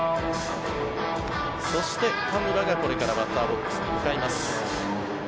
そして、田村がこれからバッターボックスに向かいます。